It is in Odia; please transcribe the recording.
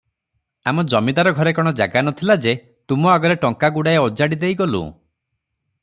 ଆମ ଜମିଦାର ଘରେ କଣ ଜାଗା ନ ଥିଲା ଯେ, ତୁମ ଆଗରେ ଟଙ୍କା ଗୁଡାଏ ଓଜାଡ଼ି ଦେଇଗଲୁଁ?